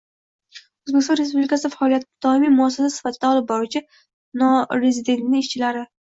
O‘zbekiston Respublikasida faoliyatini doimiy muassasa sifatida olib boruvchi norezidentning ishchilari